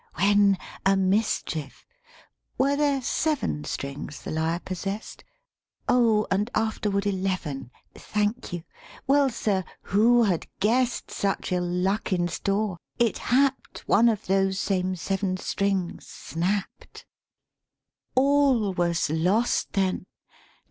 VI When, a mischief! Were they seven Strings the lyre possessed? Oh, and afterward eleven, Thank you! Well, sir who had guessed Such ill luck in store? it happed One of those same seven strings snapped. 209 THE SPEAKING VOICE VII All was lost, then!